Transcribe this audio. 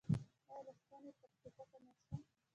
آیا له ستنې تر ټوپکه نشته؟